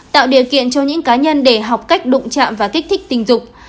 tạo điều kiện cho những cá nhân để học cách đụng chạm và kích thích tình dục